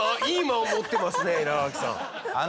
いい間を持ってますね稲垣さん。